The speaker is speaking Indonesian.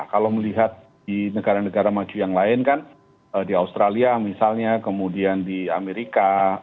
kalau melihat di negara negara maju yang lain kan di australia misalnya kemudian di amerika